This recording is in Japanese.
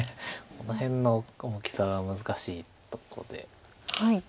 この辺の大きさは難しいとこで。